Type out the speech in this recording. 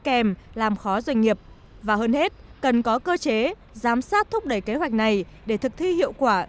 kèm làm khó doanh nghiệp và hơn hết cần có cơ chế giám sát thúc đẩy kế hoạch này để thực thi hiệu quả